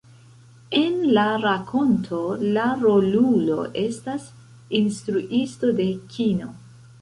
En la rakonto, la rolulo estas instruisto de kino.